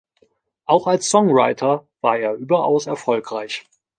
Auch als Songwriter war er überaus erfolgreich.